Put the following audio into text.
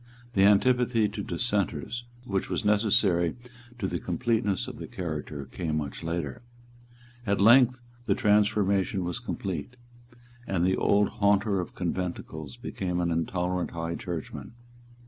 The antipathy to Dissenters, which was necessary to the completeness of the character, came much later. At length the transformation was complete; and the old haunter of conventicles became an intolerant High Churchman.